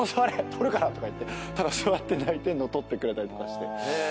撮るから」とか言ってただ座って泣いてんの撮ってくれたりとかして。